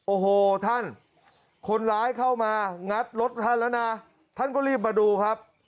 โอ้โหท่านคนร้ายเข้ามางัดรถท่านแล้วนะท่านก็รีบมาดูครับ